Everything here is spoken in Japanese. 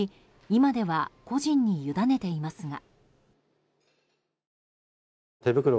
今では個人に委ねていますが。